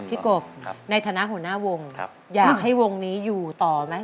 กบในฐานะหัวหน้าวงอยากให้วงนี้อยู่ต่อไหม